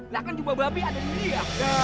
nah kan jubah babi ada di sini ya